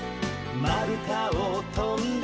「まるたをとんで」